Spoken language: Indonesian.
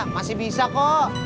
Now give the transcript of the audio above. masih bisa kok